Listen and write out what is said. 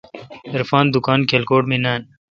عرفان دکان کھلکوٹ می نان۔